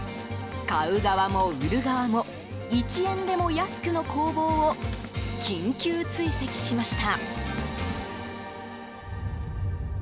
買う側も売る側も１円でも安くの攻防を緊急追跡しました。